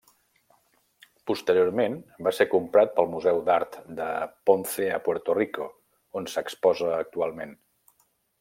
Posteriorment, va ser comprat pel Museu d'Art de Ponce a Puerto Rico, on s'exposa actualment.